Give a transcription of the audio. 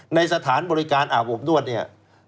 ในสถานบริการอาบอบนวดเนี่ย